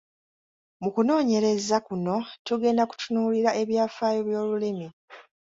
Mu kunoonyereza kuno tugenda kutunuulira ebyafaayo by'olulimi.